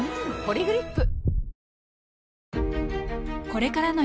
「ポリグリップ」